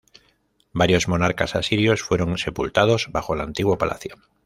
Varios monarcas asirios fueron sepultados bajo el Antiguo Palacio.